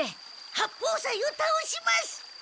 八方斎をたおします！